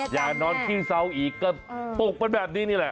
อย่านอนขี้เซาอีกก็ปลุกมันแบบนี้นี่แหละ